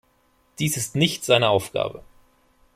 Dies ist nicht seine Aufgabe.